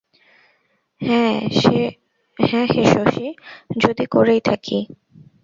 হাঁ হে শশী, যদি করেই থাকি?